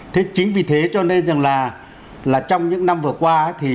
thế chính vì thế cho nên là trong những năm vừa qua